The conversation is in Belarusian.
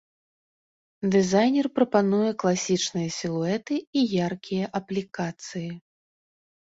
Дызайнер прапануе класічныя сілуэты і яркія аплікацыі.